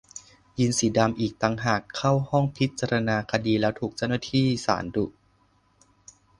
ยีนส์สีดำอีกต่างหากเข้าห้องพิจารณาคดีแล้วถูกเจ้าหน้าที่ศาลดุ